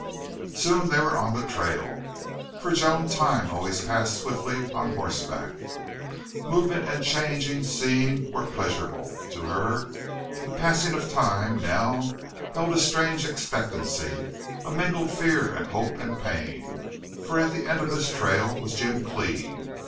Soon they were on the trail. For Joan time always passed swiftly on horseback. Movement and changing scene were pleasurable to her. The passing of time now held a strange expectancy, a mingled fear and hope and pain, for at the end of this trail was Jim Cleve.